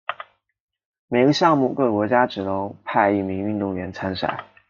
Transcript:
每个项目各国家只能派一名运动员参赛。